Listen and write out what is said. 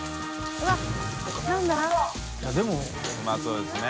うまそうですね。